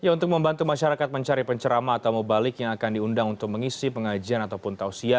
untuk membantu masyarakat mencari pencerama atau mubalik yang akan diundang untuk mengisi pengajian ataupun tausiah